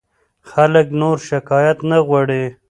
خلک نور شکایت نه غواړي.